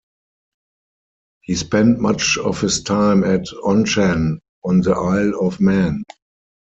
He spent much of his time at Onchan on the Isle of Man.